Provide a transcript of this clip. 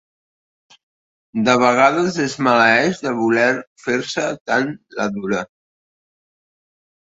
De vegades es maleeix de voler fer-se tant la dura.